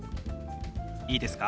いいですか？